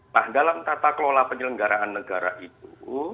nah dalam tata kelola penyelenggaraan negara itu